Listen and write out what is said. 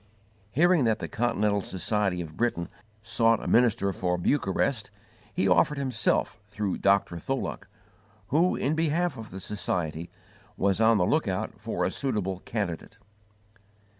Hearing that the Continental Society of Britain sought a minister for Bucharest, he offered himself through Dr. Tholuck, who, in behalf of the Society, was on the lookout for a suitable candidate.